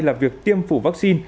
là việc tiêm phủ vaccine